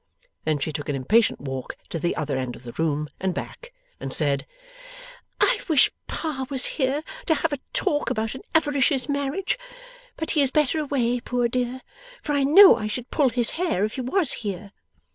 Then, she took an impatient walk to the other end of the room and back, and said, 'I wish Pa was here to have a talk about an avaricious marriage; but he is better away, poor dear, for I know I should pull his hair if he WAS here.